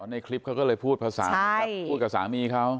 ในคลิปเขาก็เลยพูดภาษาพูดกับสามีเขา